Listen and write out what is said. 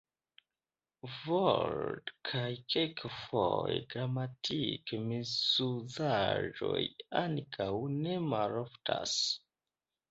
Vort- kaj kelkfoje gramatik-misuzaĵoj ankaŭ ne maloftas.